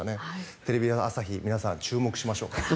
テレビ朝日皆さん、注目しましょう。